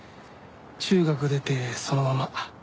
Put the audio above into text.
中学出てそのまま。